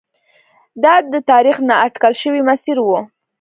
دا د تاریخ نا اټکل شوی مسیر و.